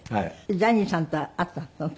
ジャニーさんとは会ったの？